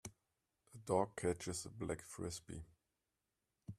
a dog catches black Frisbee